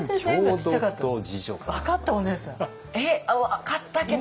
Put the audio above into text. えっ分かったけど。